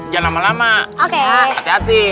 jangan lama lama hati hati